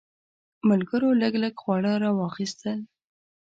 ملګرو لږ لږ خواړه راواخیستل.